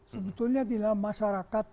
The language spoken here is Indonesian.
sebetulnya di dalam masyarakat